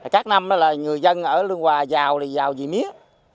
các năm đó là người dân ở lương hòa giàu thì giàu vì mía